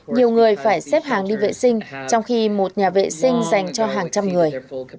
nhiều người phải xếp hàng đi vệ sinh trong khi một nhà vệ sinh dành cho hàng trăm người